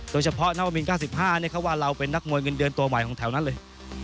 โดยเฉพาะนวมิน๙๕เขาว่าเราเป็นนักมวยเงินเดือนตัวใหม่ของแถวนั้นเลย